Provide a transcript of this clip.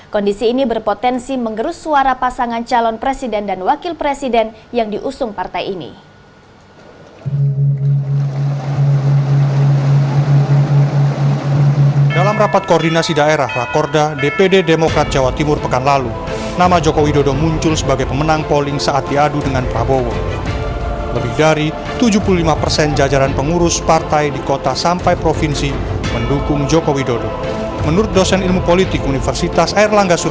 kondisi ini berpotensi mengerus suara pasangan calon presiden dan wakil presiden yang diusung partai ini